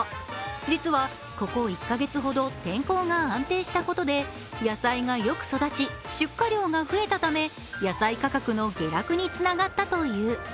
実は、ここ１カ月ほど天候が安定したことで野菜が良く育ち出荷量が増えたため野菜価格の下落につながったという。